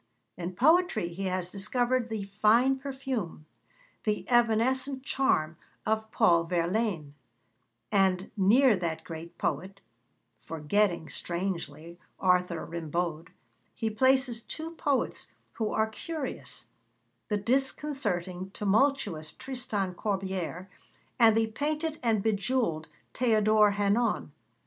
In poetry he has discovered the fine perfume, the evanescent charm, of Paul Verlaine, and near that great poet (forgetting, strangely, Arthur Rimbaud) he places two poets who are curious the disconcerting, tumultuous Tristan Corbière, and the painted and bejewelled Théodore Hannon.